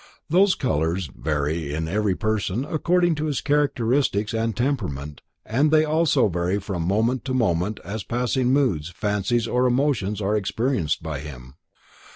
Those colors vary in every person according to his characteristics and temperament and they also vary from moment to moment as passing moods, fancies or emotions are experienced by him.